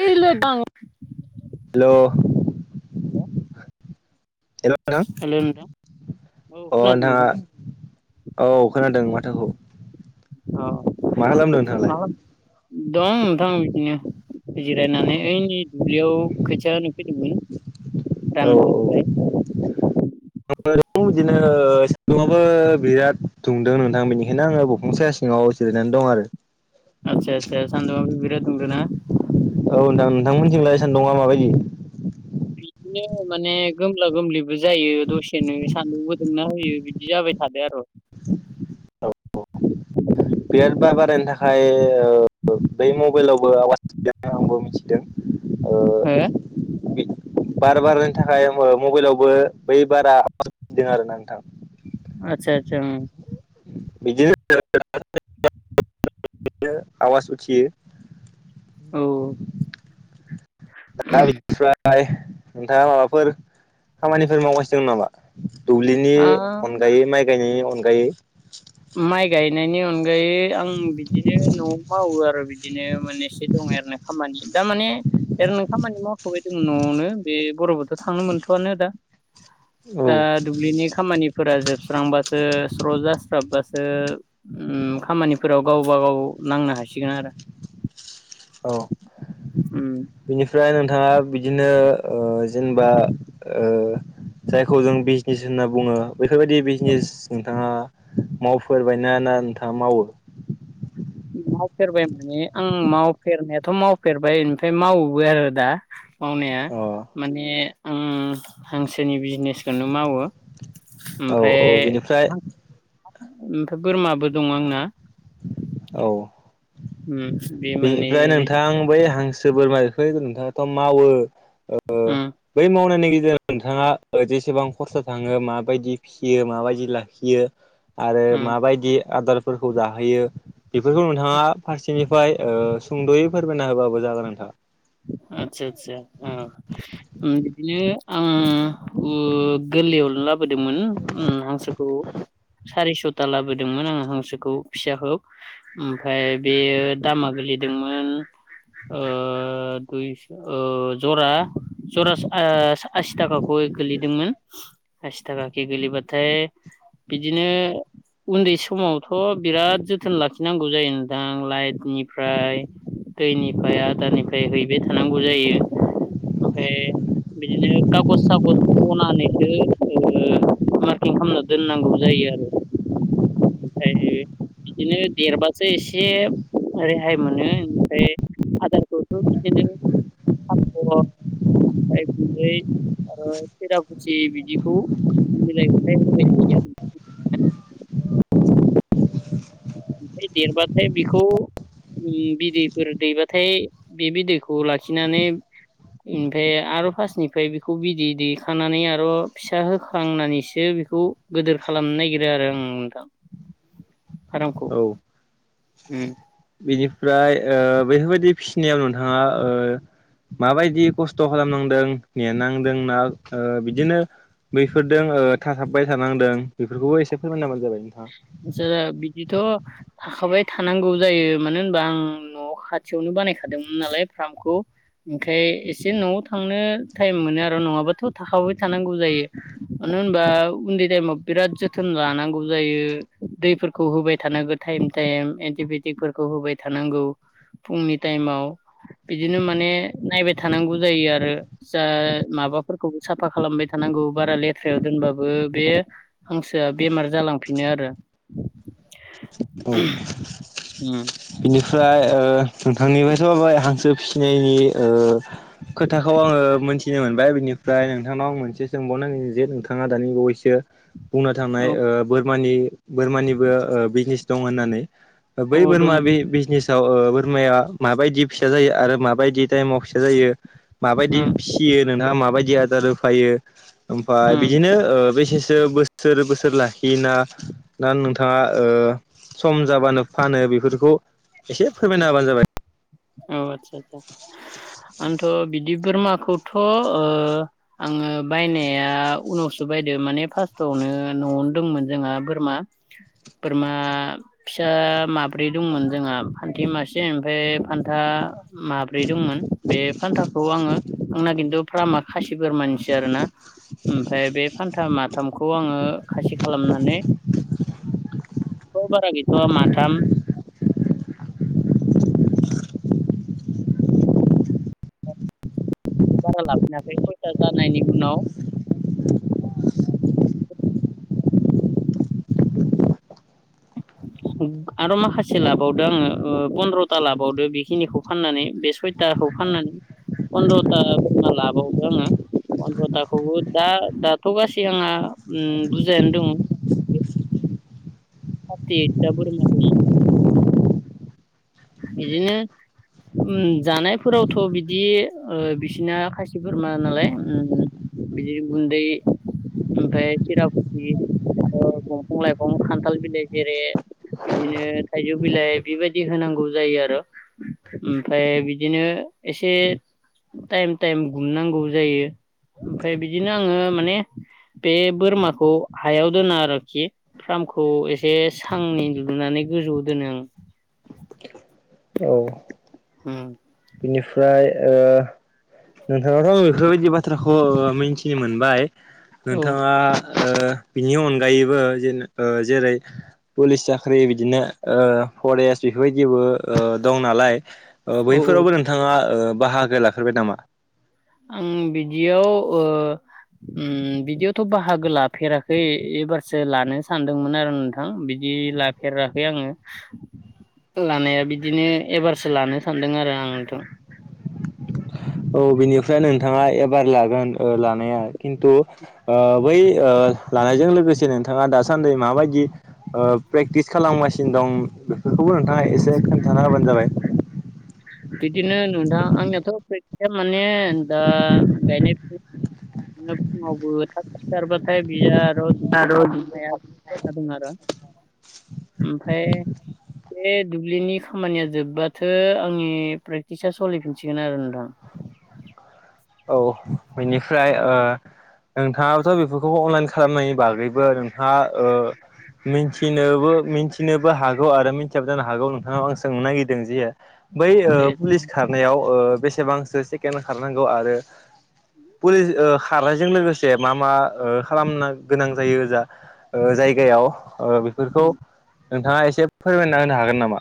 गेल दां hello hello नोंथां अ हेल' नोंथां औ खोनादों नोंथाङा नोंथां औ खोनादों माथोखौ। औ मा खालामदों नोंथाङालाय खालामदों दा नोंथां बिदिनो जिरायनानै ओइ दुब्लियाव खोथिया होनो फैदोंमोन। औ औ। रानहांबाय बिदिनो सिलङाबबो बिराद दुंदों नोंथां बेनिखायनो आङो बिफां साया सिङाव जिरायनानै दं आरो। आतसा आतसा सान्दुङाबो बिराद दुंदों ना? औ नोंथां नोंथांमोनथिंलाय सानदुङा माबायदि? बिदिनो माने गोमला गोमलिबो जायो दसेनो। सान्दुंबो दुंना होयो बिदि जाबाय थादो आरो। औ बिराद बार बारायनो थाखाय ओं बै मबाइलावबो आवाजदों आंबो मिथिदों। ओं हो बे बार बारनायनि थाखाय ओं मबाइलाव बो बै बारा आरो ना नोंथां। आतसा आतसा उम बिदिनो [unintelligible] आवाज उथियो। औ। दा बिनिफ्राय नोंथाङा माबाफोर खामानिफोर मावगासिनो दं नामा? दुब्लिनि औ आ अनगायै माइ गायनायनि अनगायै। माइ गायनायनि अन ओमफाय आं बिदिनो न'आव मावो आरो बिदिनो मोननैसो दं आरोना खामानि। दा माने एरैनो खामानि मावथ'बाय दं न'आवनो बे बर'बोथ' थांनो मोनथ'आनो दा। दा औ दुब्लिनि खामानिफोरा जोबस्रांबासो स्र' जासि जोब्बासो ओम खामानिफोराव गावबा गाव नांनो हासिगोन आरो। औ उम बिनिफ्राय नोंथाङा बिदिनो ओं जेनेबा ओं जायखौ जों बिजनेस होनना बुङो। बेफोरबायदि बिजनेस नोंथाङा मावफेरबायना ना नोंथाङा मावो? मावफेरबाय माने आं मावफेरनायाथ' मावफेरबाय ओमफ्राय मावोबो आरो दा। मावनाया औ माने आं हांसोनि बिजनेसखौनो मावो। ओमफ्राय औ बिनिफ्राय ओमफ्राय बोरमाबो दं आंना। औ। उम बे मोननै बेनिफ्राय नोंथां बै हांसो बोरमा बेखौ नोंथाङाथ' मावो। ओं उम बै मावनायनि गेजेर नोंथाङा जेसेबां खरसा थाङो माबायदि फिसियो माबायदि लाखियो। आरो उम माबायदि आदारफोरखौ जाहोयो बेफोरखौ नोंथाङा फारसेनि ओमफ्राय ओ सुंद'यै फोरमायना होबाबो जागोन नोंथां। ओम बिदिनो आं ओ गोरलैयावनो लाबोदोंमोन उम हांसोखौ सारिस'था लाबोदोंमोन आङो हांसोखौ फिसाखौ ओमफ्राय बेयो दामा सोलिदोंमोन ओ ओ दुइस' ओ जरा जरा ओ आसिथाखाखै गोलैदोंमोन। आसिथागाखे गोलैबाथाइ बिदिनो उन्दै समावथ' बिराद जोथोन लाखिनांगौ जायो नोंथां लाइट निफ्राय दैनिफ्राय आदारनिफ्राय हैबाय थानांगौ जायो। ओमफाय बिदिनो खागज सागज हनानैसो ओ मार्किं खालामना दोननांगौ जायो आरो। ओमफ्राय बिदिनो देरबासो एसे रेहाय मोनो ओमफ्राय आदार खौथ' बिदिनो थास' ओमफ्राय गुनदै आरो खेरापुसि बिदिखौ मिलायबाटाइम होबाय थायो [unintelligible] ओमफ्राय देरबाथाय बेखौ उम बिदैफोर दैबाथाय बे बिदैखौ लाखिनानै ओमफाय आरो फार्स्टनिफ्राय बेखौ बिदै दैेखानानै आरो फिसा होखांनानैसो बेखौ गोदोर खालामनो नागिरो आरो ओं नोंथां। फार्मखौ, ओम। बिनिफ्राय ओ बेफोरबायदि फिसिनायाव नोंथाङा ओ माबायदि खस्थ' खालामनांदों नेनांदों ना ओ बिदिनो बैफोरजों थासाबबाय थानांदों बेफोरखौबो एसे फोरमायना होबानो जाबाय नोंथाङा। जोङो बिदिथ' थाखाबाय थानांगौ जायो मानो होनबा आं न'आव खाथियावनो बानायखादोंमोन नालाय फार्मखौ। ओमखाय एसे न'आव थांनो टाइम मोनो आरो नङाबाथ' थाखाबाय थानांगौ जायो। ओम मानो होनबा उन्दै टाइमाव बिराद जोथोन लानांगौ जायो। दैफोरखौ होबाय थानांगौ टाइम टाइम एन्टिबायटिकफोरखौ होबाय थानांगौ। फुंनि टाइमाव बिदिनो माने नायबाय थानांगौ जायो आरो जा माबाफोरखौबो साफा खालामबाय थानांगौ बारा लेथ्रायाव दोनबाबो बे हांसोआ बेमार जालां फिनो आरो। औ ओम। बिनिफ्राय ओ नोंथांनिफ्रायथ' माबाय हांसो फिनायनि ओ खोथाखौ आङो मोनथिनो मोनबाय बिनिफ्राय नोंथांनाव आं मोनसे सोंबावनो नागिरदों जे नोंथाङा दानि बावैसो बुंनो थांनाय औ ओ बोरमानि बोरमानिबो ओ बिजनेस दं होननानै। ओ बै औ बोरमा दं बे बिजनेसाव ओ बोरमाया माबायदि फिसा जायो आरो माबायदि टाइमाव फिसा जायो? माबायदि उम फिसियो नोंथांआ माबायदि आदार होफायो? ओमफ्राय उम बिदिनो ओ बेसेसो बोसोर बो सोर लाखियोना ना नोंथाङा ओ सम जाबानो फानो बेफोरखौ एसे फोरमायना होबानो जाबाय। औ आदसा आदसा। आंथ' बिदि बोरमाखौथ' ओ आङो ओ बायनाया उनावसो बायदो माने फार्स्टावनो न'आवनो दंमोन जोंहा बोरमा। बोरमा फिसा माब्रै दंमोन जोंहा फान्थि मासे ओमफाय फान्था माब्रै दंमोन बे फान्थाखौ आङो आंना खिन्थु फार्मा खासि बोरमा निसो आरोना। ओमफाय बे फान्था माथामखौ आङो खासि खालामनानै औ बारा गैथ'आ माथाम बारा लाफिनाखै फैसा जानायनि उनाव [inaudible] आरो माखासे लाबावदों आङो पन्द्रथा लाबावदों। बेखिनिखौ फाननानै बे सयथा खौ फाननानै फन्द्रथा फानना लाबावदो आङो। पनद्रथाखौबो दा-दाथ' गासै आंहा बुजायैनो दङ। थारथि ओइत ता बोरमा दं। बिदिनो जानायफोरावथ' बिदि ओ बिसिना खायसि बोरमा नालाय बिदिनो गुन्दै ओमफ्राय चिरखथि दंफां लाइफां खान्थाल बिलाइ जेरै बिदिनो थाइजौ बिलाइ बेबायदि होनांगौ जायो आरो ओमफ्राय बिदिनो एसे टाइम टाइम गुमनांगौ जायो ओमफ्राय बिदिनो आङो माने बे बोरमाखौ हायाव दोनो आरोखि फार्मखौ एसे सांनै लुनानै गोजौआव दोनो आं । औ होम बिनिफ्राय ओ नोंथाङाथ' आं बेफोरबायदि बाथ्राखौ मिथिनो मोनबाय। औ नोंथाङा ओ बिनि अनगायैबो जेन जेरै पुलिस साख्रि बिदिनो ओ फरेस्ट बेफोरबायदिबो ओ दं नालाय। औ औ बैफोरावबो नोंथाङा बाहागो लाफ्राय नामा? आं बिदियाव ओ ओम बिदियावथ' बाहागो लाफेराखै एबारसो लानो सानदोंमोन आरो नोंथां बिदि लाफेराखै आङो। लानाया बिदिनो एबारसो लानो सानदों आरो आंथ'। औ बिनिफ्राय नोंथाङा एबार लागोन लानाया खिन्थु ओ बै ओ लानायजों लोगोसे नोंथाङा दासान्दि माबायदि प्रेक्टिस खालामगासिनो दं। बेखौबो नोंथाङा एसे खोन्थाना होबानो जाबाय। [inaudible] बिदिनो नुदों आंनिथ' फैसाया माने दा गायनाय फुनाय [unintelligible] [unintelligible] ओमफ्राय बे दुब्लिनि खामानिया जोब्बाथो आंनि प्रेकटिसा सलिफिनसिगोन आरो नोंथां। औ बिनिफ्राय ओ नोंथाङाबाथ' बेफोरखौ अनलाइन खालामनायनि बागैबो नोंथाङा ओ मिथिनोबो मिथिनोबो हागौ आरो मिथियाबो जानो हागौ नोंथांनाव आं सोंनो नागिरदों जे बै ओ दे पुलिस ओ खारनायाव बेसेबांसो सेकेणड खारनांगौ आरो पुलिस ओ खारनायजों लोगोसे मा मा ओ खालामनो गोनां जायो जा। ओ जायगायाव ओ बेफोरखौ नोंथाङा एसे फो फोरमायना होनो हागोन नामा?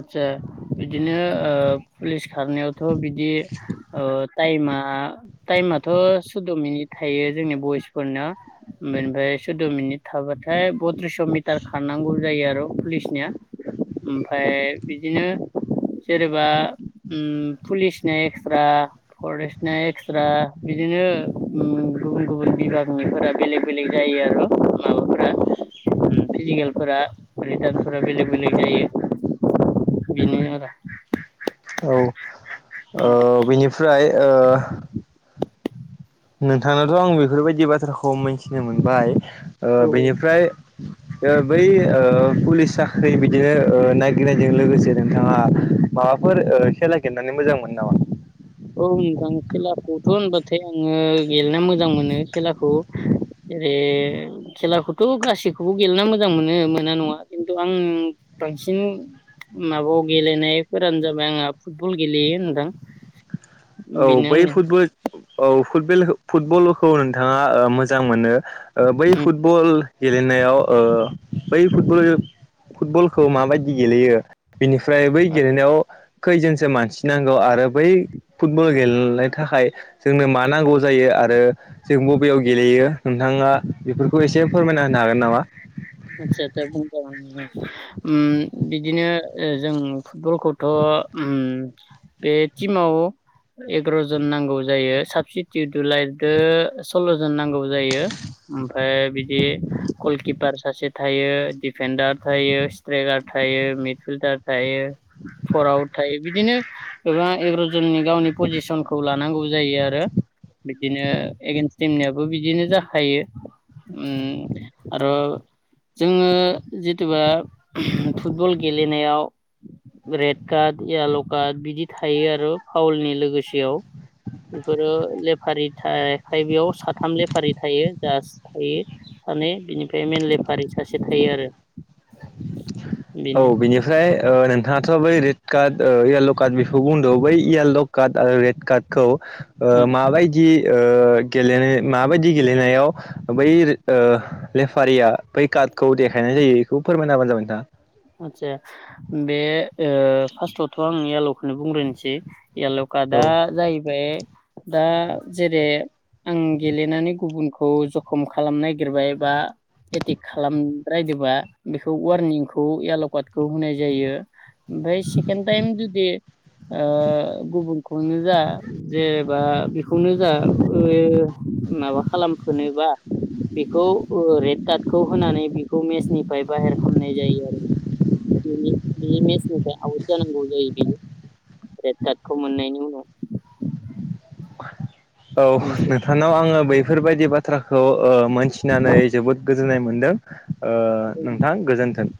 आस्सा बिदिनो ओ पुलिस खारनायावथ' बिदि ओ टाइम मा टाइमाथ' सुद' मिनिट थायो जोंनि बयसफोरना। बेनिफ्राय सुद' मिनिट थाबाथाय बथ्रिसस' मिटार खारनांगौ जायो आरो पुलिसनिया। ओमफ्राय बिदिनो जेनेबा ओम पुलिसनि एक्सट्रा फरेस्टनि एक्सट्रा बिदि बिदिनो गुबुन गुबुन बिबा बिफोरा बेलेक बेलेग जायो आरो माबाफोरा। ओम फिजिकेलफोरा रिटार्नफोरा बेलेक बेलेग जायो। बेनो आरो औ ओ बेनिफ्राय ओ नोंथांनावथ' आं बेफोरबायदि बाथ्राखौ मिन्थिनो मोनबाय। ओ औ बेनिफ्राय ओ बै ओ पुलिस साख्रि बिदिनो ओ नायागिरनायजों लोगोसे नोंथाङा माबाफोर ओ खेला गेलनानै मोजां मोन नो नामा? औ, नोंथां खेलाखौथ' होनबाथाय आङो गेलेना मोजां मोनो खेलाखौ। ओरै खेलाखौथ' गासिबखौबो गेलेना मोजां मोनो मोना नङा ।खिन्थु आं बांसिन माबायाव गेलेनायफोरानो जाबाय, आंहा फुटबल गेलेयो नोंथां। औ, बेनो बै आंनिया फुटबल औ फुटबेल- फुटबलखौ नोंथाङा ओ मोजां मोनो। ओ, बै फुटबल गेलेनायाव ओ बै फुटबल -फुटबलखौ माबायदि गेलेयो बेनिफ्राय बै गेलेनायाव खैजोनसो मानसिनांगौ आरो बै फुटबल गेलेनो थाखाय जोंनो मा नांगौ जायो आरो जों बबेयाव गेलेयो? नोंथाङा बेफोरखौ एसे फोरमायना होनो हागोन नामा? आदसा आदसा बुंदों [unintelligible] उम बिदिनो ओ जों फुटबलखौथ' उम बे टिमाव एगार' जन नांगौ जायो ।साबसिटि दुलायदो सल्ल' जन नांगौ जायो। ओमफ्राय बिदि गलकिपार सासे थायो, दिडफेडार थायो, स्ट्राइकार थायो, मिड फिल्डार थायो [unintelligible] [unintelligible] आव थायो बिदिनो गोबां एगार'जननि गावनि पजिसनखौ लानांगौ जायो आरो। बिदिनो एगेन्स्ट टिमनियाबो बिदिनो जाखायो‌। उम आर' जोङो जिथुबा फुटबल गेलेनायाव रेड कार्ड, येल' कार्ड बिदि थायो आर' फाउलनि लोगोसेयाव बेफोरो लेफारि थाखाय बेयाव साथाम लेफारि थायो, जास्ट थायो माने बिनिफ्राय मेनलि [unintelligible] सासे थायो आरो। औ, बेनो बेनिफ्राय ओ नोंथाङाथ' बै काद ओ याल' काद बिखौ बुंद' बै याल' काद आरो रेड कादखौ माबायदि ओ गेलेनाय माबायदि गेलेनायाव बै ओ लेफारिया बै काद [unintelligible] देखायनाय जायो? इखौ फोरमायना होबानो जाबाय नोंथां। आतसा बे ओ फास्टआवथ' आं याल'खोनो बुंग्रोनोसै। याल' कादा औ जाहैबाय दा जेरै आं गेलेनानै गुबुनखौ जखम खालामनो नागिरबाय एबा एटिक खालामद्रायदोबा बेखौ वारनिं [unintelligible] याल'कादखौ होनाय जायो। ओमफाय सेकेणड टाइम जुदि ओ गुबुन [unintelligible] जा जेनेबा बेखौनो जा ओ माबा खालामफिनोबा बेखौ ओ रेड कादखौ होनानै बेखौ मेसनिफ्राय बाहेर खामनाय जायो आरो। बेनि- बेनि मेसनिफ्राय आउट जानांगौ जायो बियो। रेड कादखौ मोननायनि उनाव। औ, मोनसे नोंथांनाव आङो बैफोरबायदि बाथ्रा [unintelligible] ओ मोनथिनानै जोबोद गोजोननाय मोनदों। ओ नोंथां गोजोन्थों।